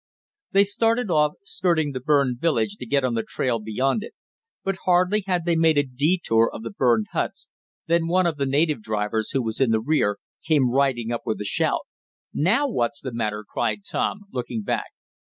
They started off, skirting the burned village to get on the trail beyond it. But hardly had they made a detour of the burned huts than one of the native drivers, who was in the rear, came riding up with a shout. "Now what's the matter?" cried Tom, looking back.